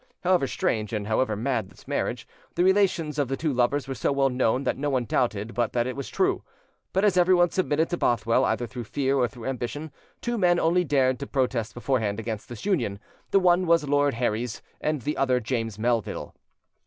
However strange and however mad this marriage, the relations of the two lovers were so well known that no one doubted but that it was true. But as everyone submitted to Bothwell, either through fear or through ambition, two men only dared to protest beforehand against this union: the one was Lord Herries, and the other James Melville.